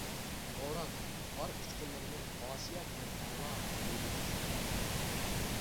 بوران قار ئۇچقۇنلىرىنى ئاسىيە بىلەن تەڭلا ئۆيگە ئۇچۇرۇپ كىردى.